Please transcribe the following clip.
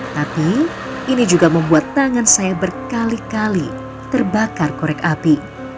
tapi ini juga membuat tangan saya berkali kali terbakar korek api